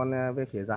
làm cái gì